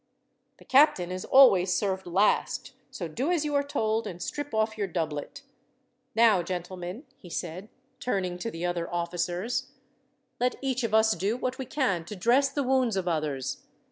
"The captain is always served last, so do as you are told, and strip off your doublet. "Now, gentlemen," he said, turning to the other officers, "let each of us do what we can to dress the wounds of others.